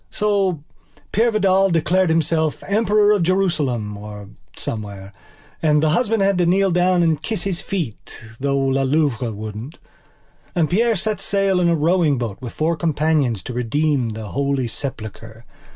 So Peire Vidal declared himself Emperor of Jerusalem or somewhere and the husband had to kneel down and kiss his feet though La Louve wouldn't. And Peire set sail in a rowing boat with four companions to redeem the Holy Sepulchre.